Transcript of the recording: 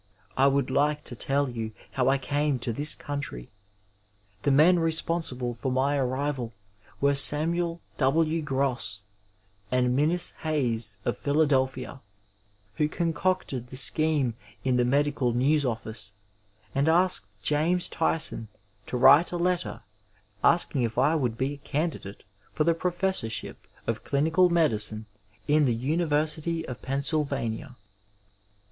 I would like to tell you howl came to this country. The men responsible for my arrival were Samuel W. Gross and Minis Hays of Philadelphia, who concocted the scheme in the Medical News office and asked James Tyson to write a letter asking if I would be a candidate for the professorship of Oinical Medicine in the University of Pennsylvania.